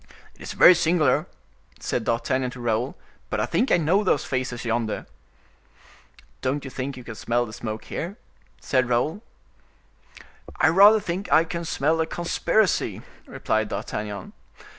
"It is very singular," said D'Artagnan to Raoul, "but I think I know those faces yonder." "Don't you think you can smell the smoke here?" said Raoul. "I rather think I can smell a conspiracy," replied D'Artagnan.